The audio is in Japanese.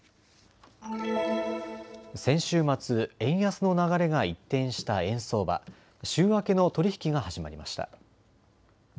先週末、円安の流れが一変した円相場、週明けの取り引きが始まりました。